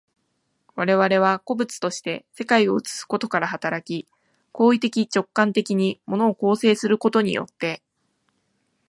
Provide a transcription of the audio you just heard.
我々は個物として世界を映すことから働き、行為的直観的に物を構成することによって、